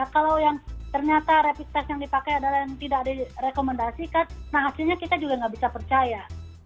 kalau yang ternyata rapid test yang dipakai adalah yang tidak direkomendasikan nah hasilnya kita juga nggak bisa percaya